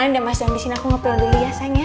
lu ribet banget sih mau tidur doang